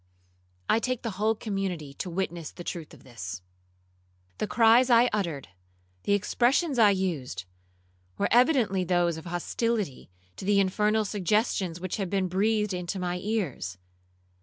I take the whole community to witness the truth of this. The cries I uttered, the expressions I used, were evidently those of hostility to the infernal suggestions which had been breathed into my ears.